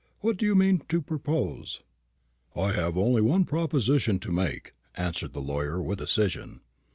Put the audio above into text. What do you mean to propose?" "I have only one proposition to make," answered the lawyer, with decision.